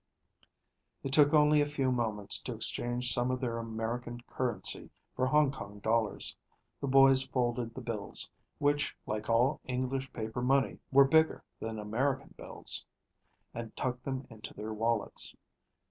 It took only a few moments to exchange some of their American currency for Hong Kong dollars. The boys folded the bills, which like all English paper money were bigger than American bills, and tucked them into their wallets.